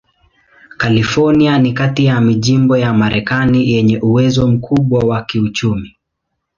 California ni kati ya majimbo ya Marekani yenye uwezo mkubwa wa kiuchumi.